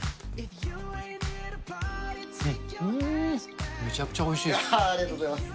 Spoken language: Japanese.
うーん、ありがとうございます。